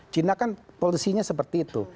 cina kan polisinya seperti itu